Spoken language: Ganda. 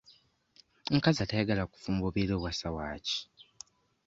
Omukazi atayagala kufumba obeera owasa waaki?